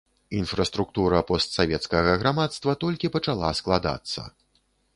Інфраструктура постсавецкага грамадства толькі пачала складацца.